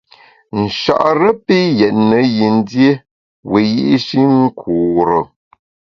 Nchare pi yètne yin dié wiyi’shi nkure.